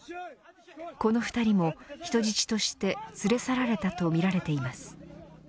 この２人も人質として連れ去られたとみられています。